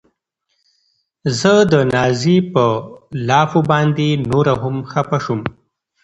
زه د نازيې په لافو باندې نوره هم خپه شوم.